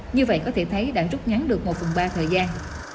như vậy có thể thấy đã rút ngắn được một phần ba thời gian